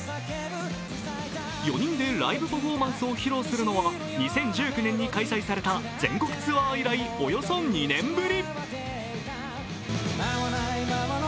４人でライブパフォーマンスを披露するのは２０１９年に開催された全国ツアー以来およそ２年ぶり。